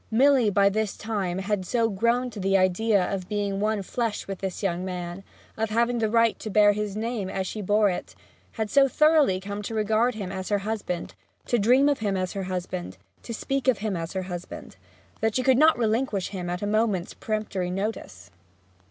Milly by this time had so grown to the idea of being one flesh with this young man, of having the right to bear his name as she bore it; had so thoroughly come to regard him as her husband, to dream of him as her husband, to speak of him as her husband, that she could not relinquish him at a moment's peremptory notice.